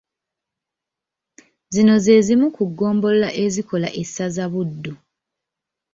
Zino ze zimu ku ggombolola ezikola essaza Buddu.